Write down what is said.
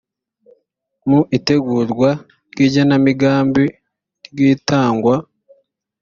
mu itegurwa ry igenamigambi ry itangwa